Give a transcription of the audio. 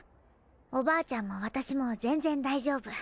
おばあちゃんも私も全然大丈夫。